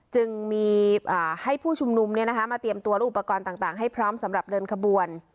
จึงมีให้ผู้ชุมนุมมาเตรียมตัวและอุปกรณ์ต่างให้พร้อมสำหรับเดินขบวน